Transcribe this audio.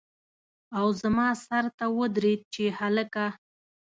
او زما سر ته ودرېد چې هلکه!